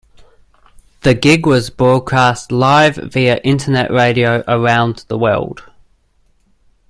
The gig was broadcast live via Internet radio around the world.